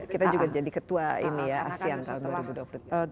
kita juga jadi ketua ini ya asean tahun dua ribu dua puluh tiga